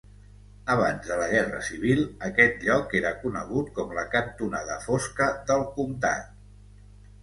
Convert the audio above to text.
Abans de la guerra civil, aquest lloc era conegut com la cantonada fosca del comtat.